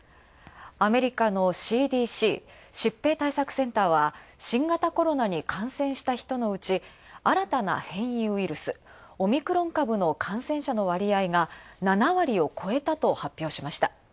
アメリカのＣＤＣ＝アメリカ疾病対策センターは新型コロナに感染した人のうち、新たな変異ウイルス、オミクロン株の感染者の割合が７割を超えたと発表しました。